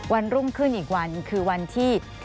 วันรุ่งขึ้นอีกวันคือวันที่